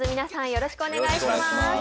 よろしくお願いします。